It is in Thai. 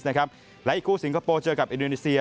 และอีกคู่สิงคโปร์เจอกับอินโดนีเซีย